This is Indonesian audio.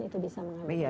itu bisa mengambil